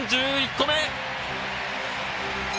１１個目！